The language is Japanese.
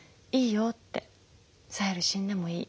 「サヘル死んでもいい。